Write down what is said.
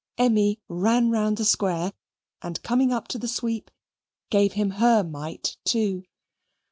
Emmy ran round the square and, coming up to the sweep, gave him her mite too.